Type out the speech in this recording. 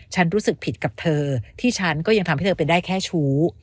ฉันรู้สึกผิดกับเธอที่ฉันก็ยังทำให้เธอเป็นได้แค่ชู้